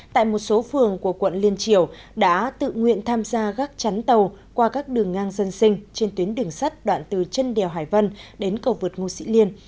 tại một số phường của quận liên triều đã tự nguyện tham gia gác chắn tàu qua các đường ngang dân sinh trên tuyến đường sắt đoạn từ chân đèo hải vân đến cầu vượt ngô sĩ liên